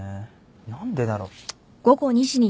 何でだろ。